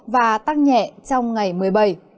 và tăng nhẹ trong ngày một mươi bảy